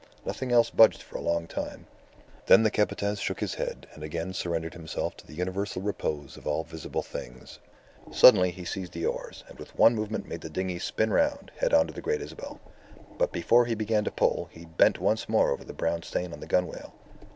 Nothing else budged for a long time; then the Capataz shook his head and again surrendered himself to the universal repose of all visible things. Suddenly he seized the oars, and with one movement made the dinghy spin round, head on to the Great Isabel. But before he began to pull he bent once more over the brown stain on the gunwale.